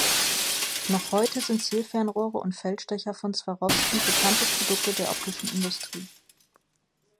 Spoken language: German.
Noch heute sind Zielfernrohre und Feldstecher von Swarovski bekannte Produkte der optischen Industrie.